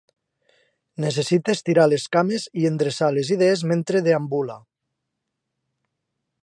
Necessita estirar les cames i endreçar les idees mentre deambula.